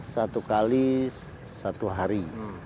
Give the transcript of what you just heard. satu kali satu hari